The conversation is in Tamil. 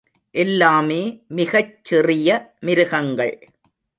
எல்லாமே மிகச் சிறிய மிருகங்கள்.